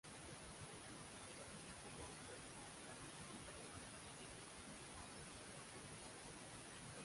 এই চলচ্চিত্রে অস্কার বিজয়ী সুরকার জন উইলিয়ামসের একটি বাদ্যযন্ত্র স্কোর উপস্থিত হয়েছে।